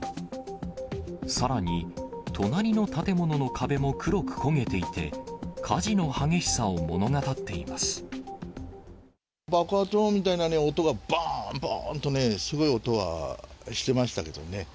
さらに、隣の建物の壁も黒く焦げていて、爆発音みたいな音がね、ばーんばーんとね、すごい音はしてましたけどね。